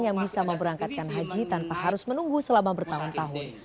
yang bisa memberangkatkan haji tanpa harus menunggu selama bertahun tahun